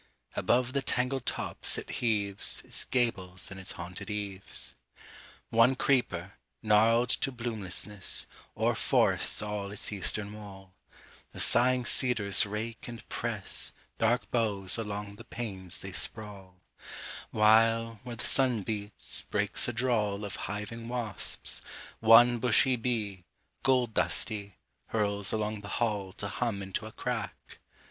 Above the tangled tops it heaves Its gables and its haunted eaves. 2. One creeper, gnarled to bloomlessness, O'er forests all its eastern wall; The sighing cedars rake and press Dark boughs along the panes they sprawl; While, where the sun beats, breaks a drawl Of hiving wasps; one bushy bee, Gold dusty, hurls along the hall To hum into a crack.